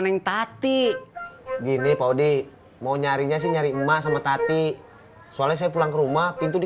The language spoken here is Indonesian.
neng tati gini paudi mau nyarinya sih nyari emas sama tati soalnya saya pulang rumah pintu di